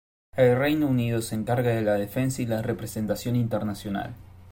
El Reino Unido se encarga de la defensa y la representación internacional.